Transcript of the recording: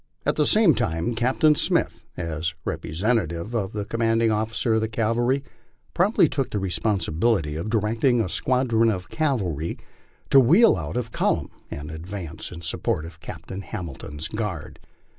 At the same time Captain Smith, as representative of the commanding officer of the cavalry, promptly took the responsibility of directing a squadron of cavalry to wheel out of column and advance in support of Captain Hamilton's guard.